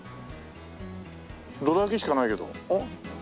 どら焼きしかないけど。